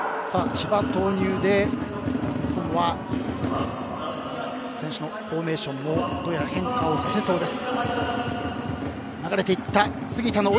千葉投入で日本は選手のフォーメーションもどうやら変更されそうです。